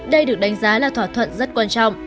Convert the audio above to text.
đây được đánh giá là thỏa thuận rất quan trọng